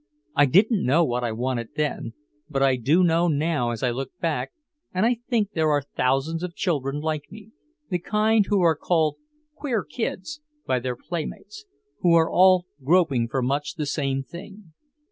I didn't know what I wanted then, but I do know now as I look back, and I think there are thousands of children like me, the kind who are called "queer kids" by their playmates, who are all groping for much the same thing.